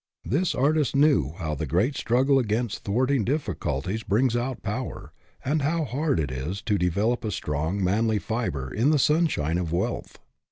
This artist knew how the great struggle against thwarting difficulties brings out power, and how hard it is to de velop a strong, manly fiber in the sunshine of wealth.